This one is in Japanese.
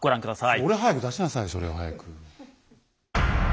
それを早く出しなさいそれを早く。